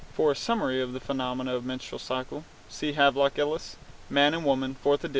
For a summary of the phenomena of the menstrual cycle, see Havelock Ellis, Man and Woman, fourth ed.